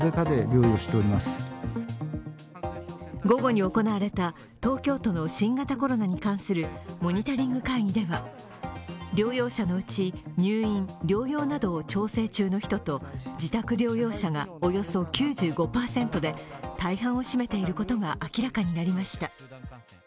午後に行われた東京都の新型コロナに関するモニタリング会議では療養者のうち、入院、療養などを調整中の人と自宅療養者がおよそ９５％で、大半を占めていることが明らかになりました。